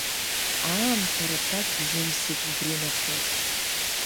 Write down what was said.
Аамҭа рацәак бжьымсит убри нахыс.